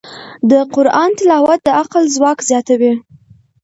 د قرآن تلاوت د عقل ځواک زیاتوي.